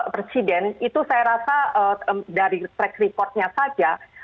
presiden itu saya rasa dari track record nya saja